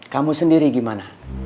kamu sendiri gimana